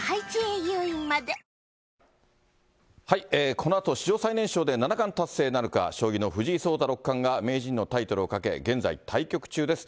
このあと史上最年少で七冠達成なるか、将棋の藤井聡太六冠が名人のタイトルをかけ、現在、対局中です。